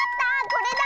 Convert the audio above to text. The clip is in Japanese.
これだ！